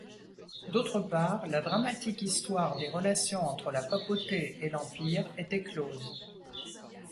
D'autre part, la dramatique histoire des relations entre la Papauté et l'Empire était close.